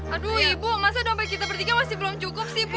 aduh ibu masa dompet kita bertiga masih belum cukup sih bu